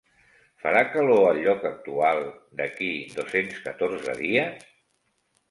Farà calor al lloc actual d'aquí dos-cents catorze dies?